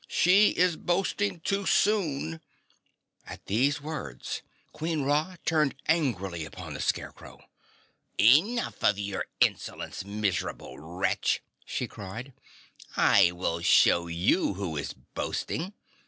"She is boasting too soon!" At these words Queen Ra turned angrily upon the Scarecrow. "Enough of your insolence, miserable wretch!" she cried. "I will show you who is boasting.